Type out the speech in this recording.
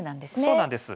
そうなんです。